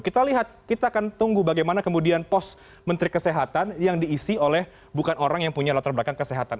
kita lihat kita akan tunggu bagaimana kemudian pos menteri kesehatan yang diisi oleh bukan orang yang punya latar belakang kesehatan